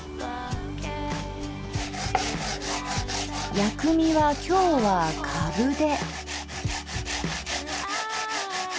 薬味は今日はかぶで。